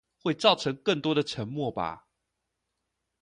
會造成更多的沉默吧？